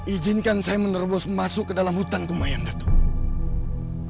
ijinkan saya menerbus masuk ke dalam hutan kumayan datuk